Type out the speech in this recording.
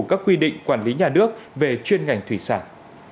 các quy định quản lý nhà nước về chuyên ngành thủy sản